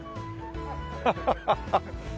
ハハハハッ。